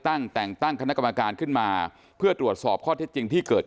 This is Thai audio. ตั้งแต่งตั้งคณะกรรมการขึ้นมาเพื่อตรวจสอบข้อเท็จจริงที่เกิด